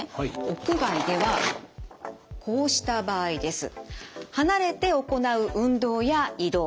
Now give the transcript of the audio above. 屋外ではこうした場合です。